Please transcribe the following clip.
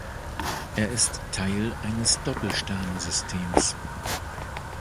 Er ist Teil eines Doppelsternsystems.